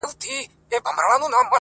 چي له ما یې پاته کړی کلی کور دی،